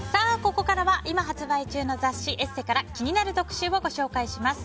ここからは今発売中の雑誌「ＥＳＳＥ」から気になる特集をご紹介します。